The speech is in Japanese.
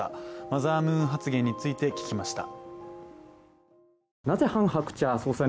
マザームーン発言について聞きました。